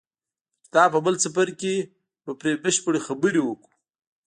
د کتاب په بل څپرکي کې به پرې بشپړې خبرې وکړو.